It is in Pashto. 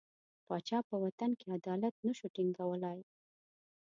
پاچا په وطن کې عدالت نه شو ټینګولای.